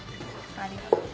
ありがとう。